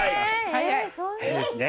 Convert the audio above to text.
早いですね。